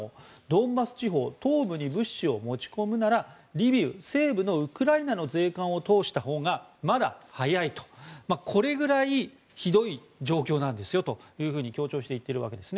ドンバス地方東部に物資を持ち込むならリビウ、西部のウクライナの税関を通したほうがまだ早いとこれくらいひどい状況なんですと強調して言っているわけなんです。